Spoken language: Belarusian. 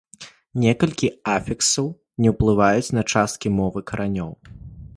Некалькі афіксаў не ўплываюць на часткі мовы каранёў.